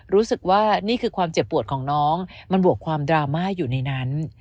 รู้สึกว่านี่คือความเจ็บปวดของน้องมันบวกความดราม่าอยู่ในนั้น